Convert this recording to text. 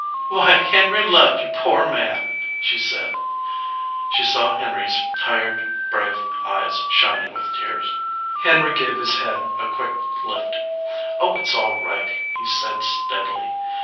"Why, Henry Ludd, you poor man !" she said. She saw Henry s tired, brave eyes shining with tears. Henry gave his head a quick lift. "Oh, it s all right," he said, steadily.